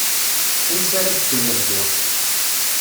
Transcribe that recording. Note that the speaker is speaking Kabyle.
Ansi ara d-kken lehdur!